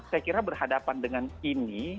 saya kira berhadapan dengan ini